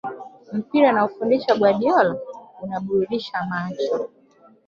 Mpira anaofundisha Guardiola unaburudisha macho